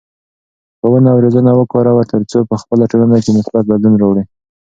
ښوونه او روزنه وکاروه ترڅو په خپله ټولنه کې مثبت بدلون راوړې.